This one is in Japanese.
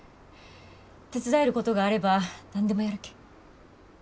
手伝えることがあれば何でもやるけん。